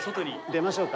出ましょうか。